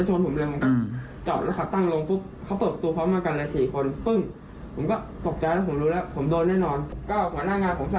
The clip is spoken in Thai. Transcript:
ใช่เขาไปตบหน้าเพิ่ง